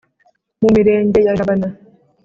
Mu mirenge ya Jabana.